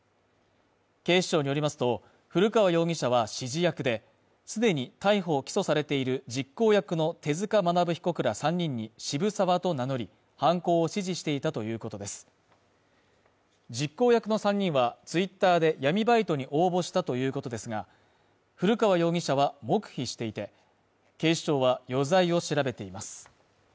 警視庁によりますと古川容疑者は指示役ですでに逮捕・起訴されている実行役の手塚学被告ら３人に渋沢と名乗り犯行を指示していたということです実行役の３人はツイッターで闇バイトに応募したということですが古川容疑者は黙秘していて警視庁は余罪を調べています